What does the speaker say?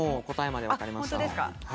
答えまで分かりました。